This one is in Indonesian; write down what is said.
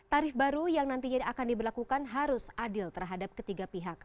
tarif baru yang nantinya akan diberlakukan harus adil terhadap ketiga pihak